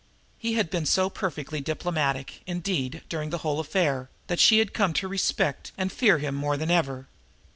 He had been so perfectly diplomatic, indeed, during the whole affair, that she had come to respect and fear him more than ever.